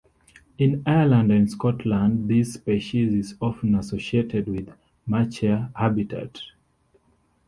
In Ireland and Scotland, this species is often associated with Machair habitat.